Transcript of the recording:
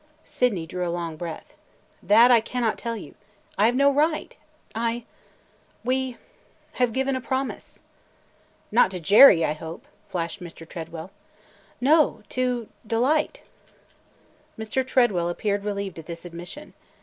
Sydney drew a long breath. "That I – I cannot tell you. I have no right! I – we – have given a promise!" "Not to Jerry, I hope!" flashed Mr. Tredwell. "No, to – Delight!" Mr. Tredwell appeared relieved at this admission.